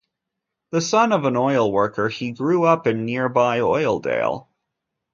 The son of an oil worker, he grew up in nearby Oildale.